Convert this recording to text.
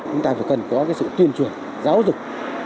chúng ta phải cần có cái sự tuyên truyền giáo dục